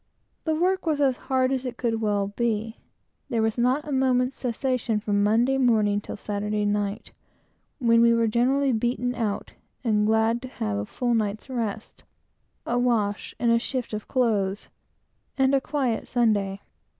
The work was as hard as it could well be. There was not a moment's cessation from Monday morning till Saturday night, when we were generally beaten out, and glad to have a full night's rest, a wash and shift of clothes, and a quiet Sunday.